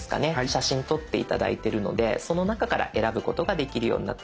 写真撮って頂いてるのでその中から選ぶことができるようになっています。